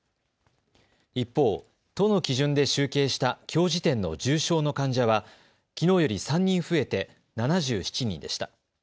一方、都の基準で集計したきょう時点の重症の患者はきのうより３人増えて７７人でした。